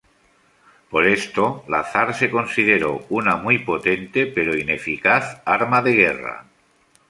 Por esto, la Zar se consideró una muy potente pero ineficaz arma de guerra.